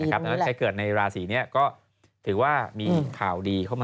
แต่ในราศีนี้ก็ถือว่ามีข่าวดีเข้ามา